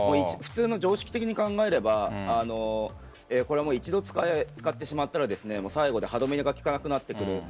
普通の常識的に考えれば一度使ってしまったら最後歯止めが利かなくなってくる。